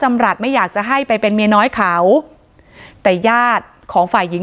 รัฐไม่อยากจะให้ไปเป็นเมียน้อยเขาแต่ญาติของฝ่ายหญิง